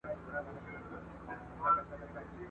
هره ورځ به په دعا یو د زړو کفن کښانو !.